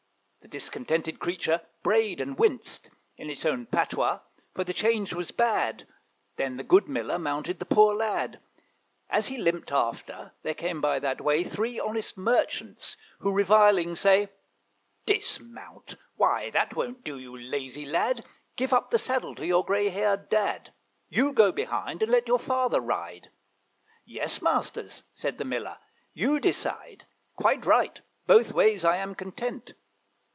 The discontented creature brayed and winced In its own patois; for the change was bad: Then the good Miller mounted the poor lad. As he limped after, there came by that way Three honest merchants, who reviling say, 'Dismount! why, that won't do, you lazy lad; Give up the saddle to your grey haired dad; You go behind, and let your father ride.' 'Yes, masters,' said the Miller, 'you decide Quite right; both ways I am content.'